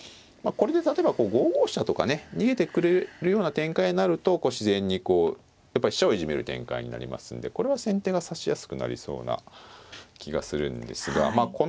まあこれで例えば５五飛車とかね逃げてくれるような展開になるとこう自然にこうやっぱり飛車をいじめる展開になりますんでこれは先手が指しやすくなりそうな気がするんですがまあ